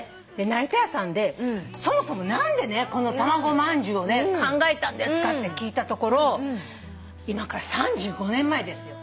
成田屋さんでそもそも何でこのたまごまんじゅうを考えたんですかって聞いたところ今から３５年前ですよ。